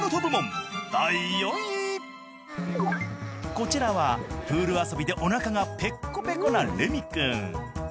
こちらはプール遊びでおなかがペッコペコなレミ君。